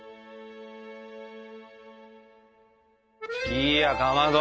いやかまど。